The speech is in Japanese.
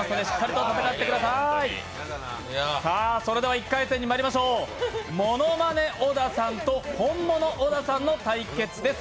１回戦にまいりましょうものまね小田さんとホンモノ小田さんの対決です。